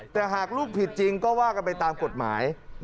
แต่หากลูกผิดจริงก็ว่ากันไปตามกฎหมาย